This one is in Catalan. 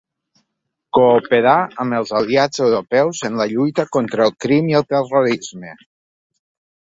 Cooperar amb els aliats europeus en la lluita contra ‘el crim i el terrorisme’